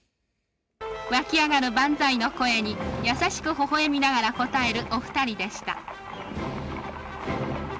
湧き上がる万歳の声に、優しくほほえみながら応えるお２人でした。